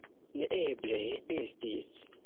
Neeble estis!